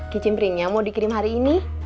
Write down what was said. kicim ringnya mau dikirim hari ini